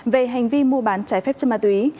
về hành vi mua bán trái phép chất ma túy